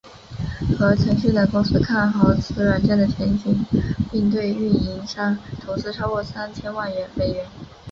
和腾讯等公司看好此软件的前景并对运营商投资超过三千万美元。